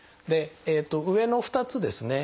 上の２つですね